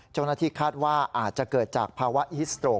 เจ้าหน้าที่คาดว่าอาจจะเกิดจากภาวะฮิสโตรก